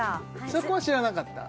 そこは知らなかった？